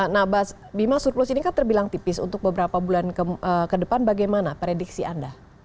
nah mas bima surplus ini kan terbilang tipis untuk beberapa bulan ke depan bagaimana prediksi anda